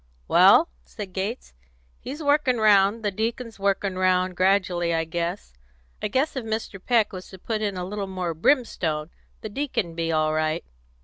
"Well," said Gates, "he's workin' round the deacon's workin' round gradually, I guess. I guess if Mr. Peck was to put in a little more brimstone, the deacon'd be all right.